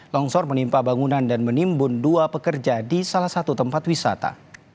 longsor menimpa bangunan dan menimbun dua pekerja di salah satu tempat wisata